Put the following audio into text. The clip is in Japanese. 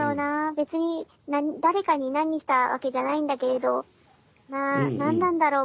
別に誰かに何したわけじゃないんだけれど何なんだろう